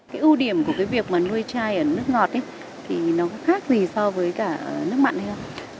cái ưu điểm của cái việc mà nuôi chai ở nước ngọt thì nó khác gì so với cả nước mặn hay không